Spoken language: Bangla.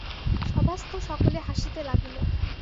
সভাস্থ সকলে হাসিতে লাগিল।